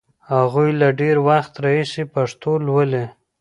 هغوی له ډېر وخت راهیسې پښتو لولي.